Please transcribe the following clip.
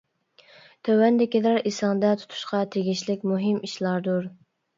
تۆۋەندىكىلەر ئېسىڭدە تۇتۇشقا تېگىشلىك مۇھىم ئىشلاردۇر.